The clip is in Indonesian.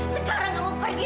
sekarang kamu pergi